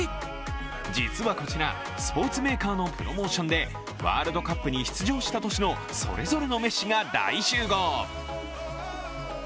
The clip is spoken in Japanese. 実はこちら、スポーツメーカーのプロモーションでワールドカップに出場した年のそれぞれのメッシが大集合。